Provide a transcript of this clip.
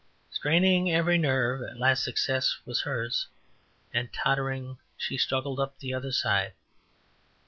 Straining every nerve, at last success was hers, and tottering, she struggled up the other side.